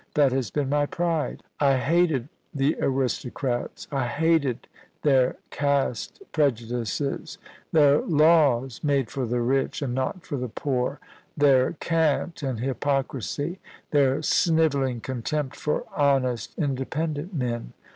That has been my pride. I hated the aristocrats. I hated their caste prejudices ; their laws made for the rich and not for the poor ; their cant and hypocrisy ; their snivelling con tempt for honest, independent men.